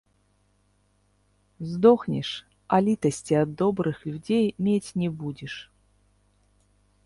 Здохнеш, а літасці ад добрых людзей мець не будзеш.